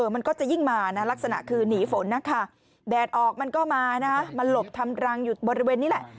มันก็จะยิ่งมานะลักษณะคือหนีฝนนะคะแดดออกมันก็มานะมันหลบทำรังอยู่บริเวณนี้แหละ